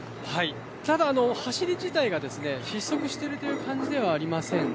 ただ走り自体が失速している感じではありませんね。